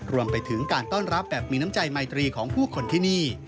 รวมไปถึงการต้อนรับแบบมีน้ำใจไมตรีของผู้คนที่นี่